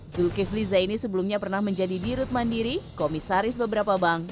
zulkifli zaini sebelumnya pernah menjadi dirut mandiri komisaris beberapa bank